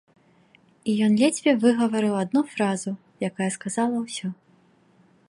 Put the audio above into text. І ён ледзьве выгаварыў адну фразу, якая сказала ўсё.